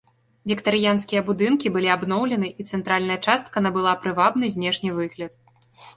Віктарыянскія будынкі былі абноўлены і цэнтральная частка набыла прывабны знешні выгляд.